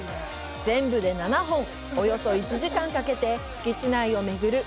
全部で７本およそ１時間かけて敷地内を巡る